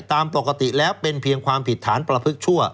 ตามปกติแล้วเป็นเพียงความผิดฐานประพฤกษั่ว